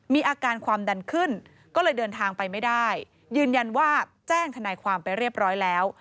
มีอาการความดันขึ้นก็เลยเดินทางไปไม่ได้ยืนยันว่าแจ้งทนายความไปเรียบร้อยแล้ว